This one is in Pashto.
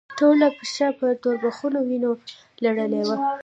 ټوله پښه په توربخونو وينو لړلې وه.